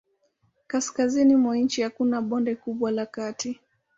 Kaskazini mwa nchi hakuna bonde kubwa la kati.